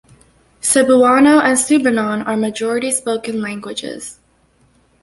Cebuano and Subanon are majority spoken languages.